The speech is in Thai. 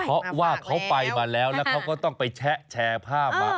เพราะว่าเขาไปมาแล้วแล้วเขาก็ต้องไปแชะแชร์ภาพมา